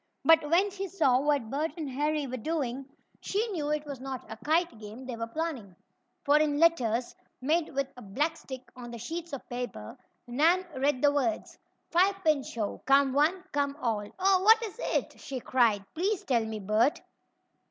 But when she saw what Bert and Harry were doing, she knew it was not a kite game they were planning. For in letters, made with a black stick on the sheets of paper, Nan read the words: FIVE PIN SHOW COME ONE COME ALL "Oh, what is it?" she cried. "Please tell me, Bert!"